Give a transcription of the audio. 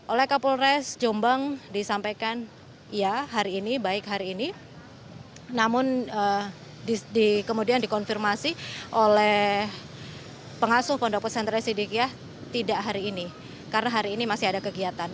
oleh kapolres jombang disampaikan ya hari ini baik hari ini namun kemudian dikonfirmasi oleh pengasuh pondok pesantren sidikiah tidak hari ini karena hari ini masih ada kegiatan